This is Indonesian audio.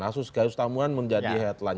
kasus gayus tamuan menjadi headline